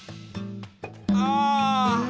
ああ。